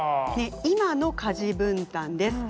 今の家事分担です。